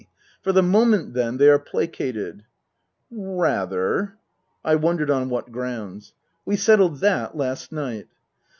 For the moment, then, they are placated ?"" Rather." (I wondered on what grounds.) " We settled that last night."